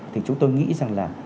thì chúng tôi nghĩ rằng là